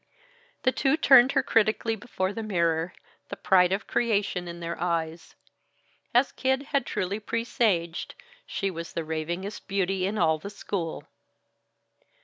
The two turned her critically before the mirror, the pride of creation in their eyes. As Kid had truly presaged, she was the ravingest beauty in all the school.